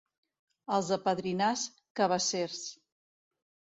Els de Padrinàs, cabassers.